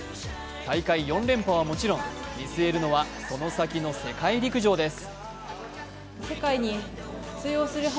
大会４連覇はもちろん、見据えるのはその先の世界陸上です。